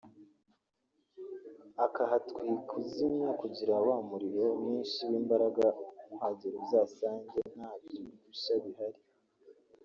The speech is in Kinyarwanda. ukahatwika uzimya kugirango wa muriro mwinshi w’imbaraga nuhagera uzasange nta ibyo gushya bihari